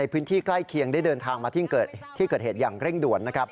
พื้นที่ใกล้เคียงได้เดินทางมาที่เกิดเหตุอย่างเร่งด่วนนะครับ